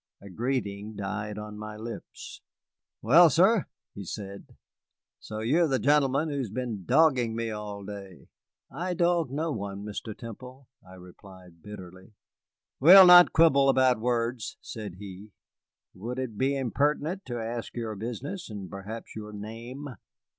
A greeting died on my lips. "Well, sir" he said, "so you are the gentleman who has been dogging me all day." "I dog no one, Mr. Temple," I replied bitterly. "We'll not quibble about words," said he. "Would it be impertinent to ask your business and perhaps your name?"